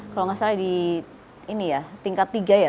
kalau nggak salah di tingkat tiga ya